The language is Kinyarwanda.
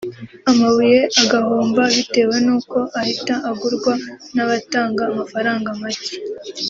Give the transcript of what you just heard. amabuye agahomba bitewe n’uko ahita agurwa n’abatanga amafaranga make